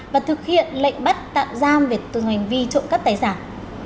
và thực hiện lệnh bắt tạm giam về tương hành vi trộm cắt tài sản